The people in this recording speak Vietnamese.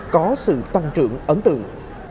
có sự tăng trưởng ấn tượng